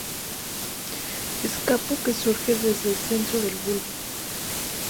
Escapo que surge desde el centro del bulbo.